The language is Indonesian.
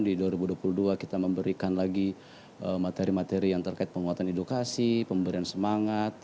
di dua ribu dua puluh dua kita memberikan lagi materi materi yang terkait penguatan edukasi pemberian semangat